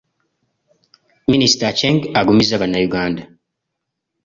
Minisita Acheng agumizza Bannayuganda.